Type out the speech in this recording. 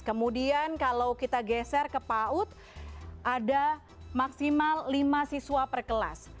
kemudian kalau kita geser ke paut ada maksimal lima siswa perkelas